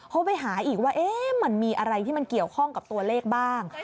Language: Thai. เขาไปหาอีกว่ามันมีอะไรที่มันเกี่ยวข้องกับตัวเลขบ้าง